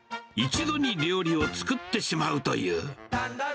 一度に料理を作ってしまうという。